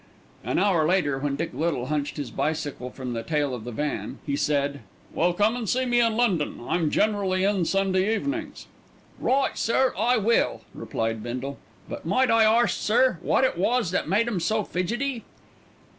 An hour later, when Dick Little hunched his bicycle from the tail of the van he said: "Well, come and see me in London; I'm generally in Sunday evenings." "Right, sir; I will," replied Bindle; "but might I arst, sir, wot it was that made 'em so fidgety?"